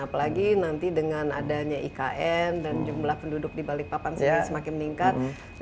apalagi nanti dengan adanya ikn dan jumlah penduduk di balikpapan semakin meningkat